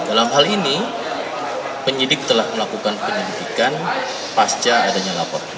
dalam hal ini penyidik telah melakukan penyelidikan pasca adanya lapor